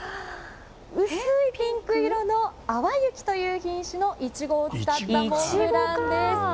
薄いピンク色の淡雪という品種のイチゴを使ったモンブランです。